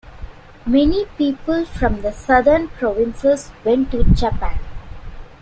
Many people from the southern provinces went to Japan.